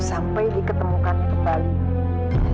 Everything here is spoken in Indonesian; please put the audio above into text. sampai diketemukan kembali